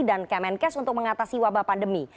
dan kemenkes untuk mengatasi wabah pandemi